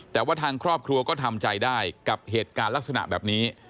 แต่ว่าทางครอบครัวก็ทำใจได้กับเหตุการณ์ลักษณะแบบนี้